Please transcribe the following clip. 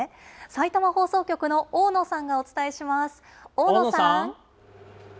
さいたま放送局の大野さんがお伝えします。